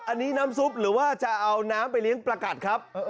อันนี้น้ำซุปหรือว่าจะเอาน้ำไปเลี้ยงประกัดครับ